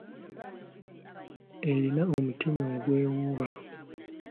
Erina omutima ogwewuuba.